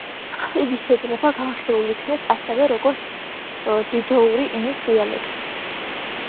იგი შეიძლება განხილულ იქნეს ასევე, როგორც დიდოური ენის დიალექტი.